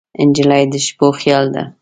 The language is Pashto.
نجلۍ د شپو خیال ده.